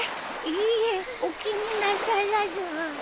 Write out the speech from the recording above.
いいえお気になさらず。